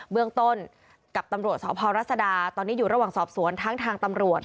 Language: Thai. เบื้องต้นกับตำรวจสพรัศดาตอนนี้อยู่ระหว่างสอบสวนทั้งทางตำรวจ